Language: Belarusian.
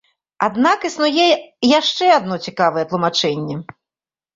Аднак існуе яшчэ адно цікавае тлумачэнне.